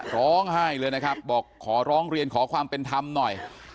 ร้องไห้เลยนะครับบอกขอร้องเรียนขอความเป็นธรรมหน่อย